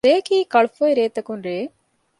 ރެއަކީ ކަޅުފޮއި ރޭތަކުން ރެއެއް